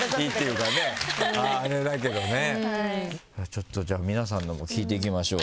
ちょっとじゃあ皆さんのも聞いていきましょう。